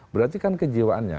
berarti kan kejiwaannya